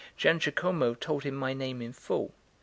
Giangiacomo told him my name in full.